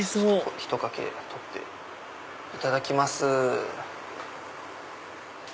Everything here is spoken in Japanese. ひとかけ取っていただきます。